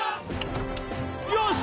よし！